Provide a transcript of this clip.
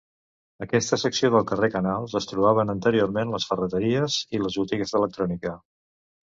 Aquesta secció del carrer Canal es trobaven anteriorment les ferreteries i les botigues d'electrònica.